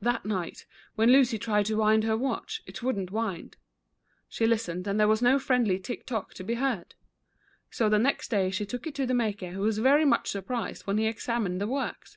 That night, when Lucy tried to wind her \\ atch, it would n't wind. She listened, and there was no friendly *' tick tick " to be heard. So the next day she took it to the maker, who was very much sur prised when he examined the works.